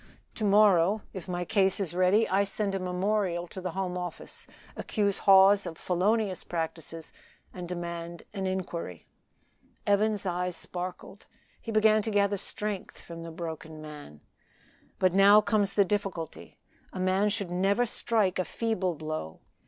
To morrow, if my case is ready, I send a memorial to the Home Office, accuse Hawes of felonious practices, and demand an inquiry." Evans's eye sparkled; he began to gather strength from the broken man. "But now comes the difficulty. A man should never strike a feeble blow.